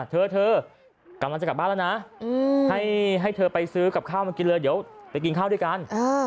เธอกำลังจะกลับบ้านแล้วนะให้เธอไปซื้อกับข้าวมากินเลยเดี๋ยวไปกินข้าวด้วยกัน